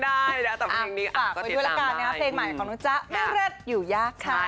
ภาษาไปดูรายการนี้นะครับเพลงใหม่ของเราจะไม่เล็ดอยู่ยากค่ะ